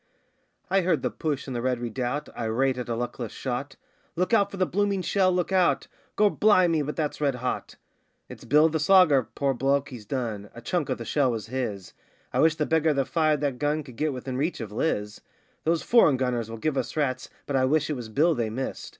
I heard the push in the Red Redoubt, irate at a luckless shot: 'Look out for the blooming shell, look out!' 'Gor' bli' me, but that's red hot!' 'It's Bill the Slogger poor bloke he's done. A chunk of the shell was his; I wish the beggar that fired that gun could get within reach of Liz.' 'Those foreign gunners will give us rats, but I wish it was Bill they missed.